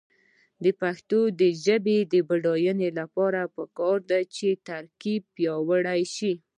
د پښتو ژبې د بډاینې لپاره پکار ده چې ترکیب پیاوړی شي.